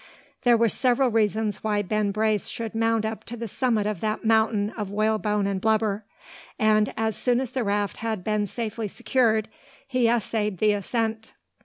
There were several reasons why Ben Brace should mount up to the summit of that mountain of whalebone and blubber; and, as soon as the raft had been safely secured, he essayed the ascent.